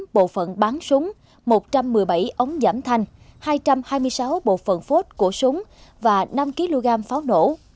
ba trăm tám mươi tám bộ phận bán súng một trăm một mươi bảy ống giảm thanh hai trăm hai mươi sáu bộ phận phốt của súng và năm kg pháo nổ